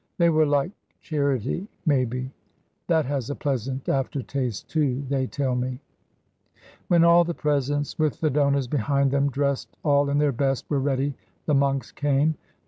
They were like charity, maybe: that has a pleasant after taste, too, they tell me. When all the presents, with the donors behind them, dressed all in their best, were ready, the monks came.